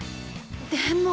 でも。